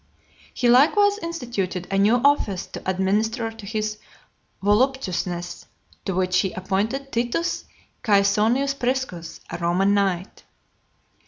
He likewise instituted a new office to administer to his voluptuousness, to which he appointed Titus Caesonius Priscus, a Roman knight.